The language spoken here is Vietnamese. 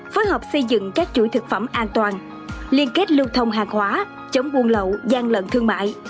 phối hợp xây dựng các chuỗi thực phẩm an toàn liên kết lưu thông hàng hóa chống buôn lậu gian lận thương mại